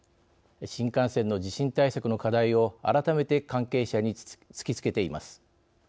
新幹線の地震対策の課題を改めて関係者に突きつけています。